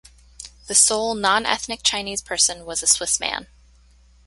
The sole non-ethnic Chinese person was a Swiss man.